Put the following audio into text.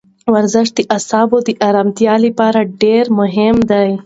ورزش د اعصابو د ارامتیا لپاره ډېر مهم دی.